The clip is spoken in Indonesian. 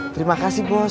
terima kasih bos